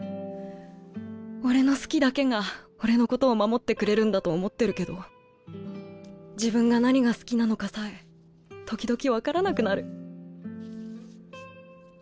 俺の「好き」だけが俺のことを守ってくれるんだと思ってるけど自分が何が好きなのかさえ時々分からなくなる。